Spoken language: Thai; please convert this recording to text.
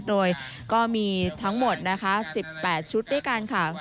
โดยก็มีทั้งหมดนะคะ๑๘ชุดด้วยกันค่ะ